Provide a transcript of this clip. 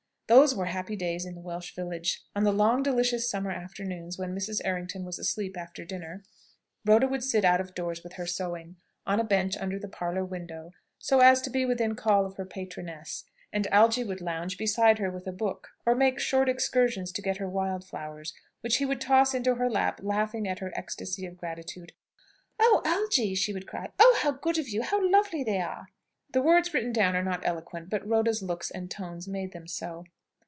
Those were happy days in the Welsh village. On the long delicious summer afternoons, when Mrs. Errington was asleep after dinner, Rhoda would sit out of doors with her sewing; on a bench under the parlour window, so as to be within call of her patroness; and Algy would lounge beside her with a book; or make short excursions to get her wild flowers, which he would toss into her lap, laughing at her ecstasy of gratitude. "Oh, Algy!" she would cry, "Oh, how good of you! How lovely they are!" The words written down are not eloquent, but Rhoda's looks and tones made them so.